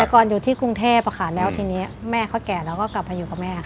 แต่ก่อนอยู่ที่กรุงเทพค่ะแล้วทีนี้แม่เขาแก่แล้วก็กลับมาอยู่กับแม่ค่ะ